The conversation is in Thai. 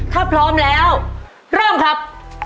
ถ้าพร้อมแล้วเริ่มครับ